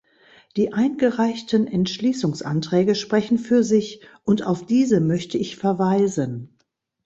Die eingereichten Entschließungsanträge sprechen für sich, und auf diese möchte ich verweisen.